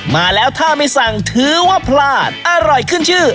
มาแล้วถ้าไม่สั่งถือว่าพลาดอร่อยขึ้นชื่อ